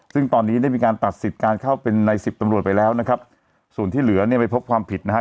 ซึ่งตอนนี้ได้มีการตัดสิทธิ์การเข้าเป็นในสิบตำรวจไปแล้วนะครับส่วนที่เหลือเนี่ยไปพบความผิดนะฮะ